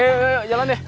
ayo yuk yuk yuk jalan deh